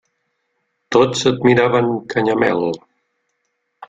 Tots admiraven Canyamel.